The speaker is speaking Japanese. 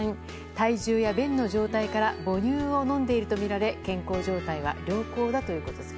体重や便の状態から母乳を飲んでいるとみられ健康状態は良好だということです。